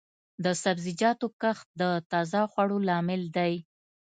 د سبزیجاتو کښت د تازه خوړو لامل دی.